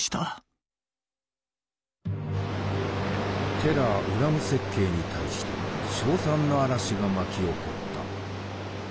テラー・ウラム設計に対して称賛の嵐が巻き起こった。